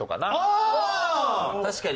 確かに。